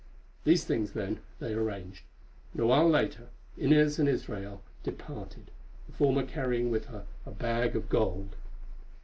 These things, then, they arranged, and a while later Inez and Israel departed, the former carrying with her a bag of gold.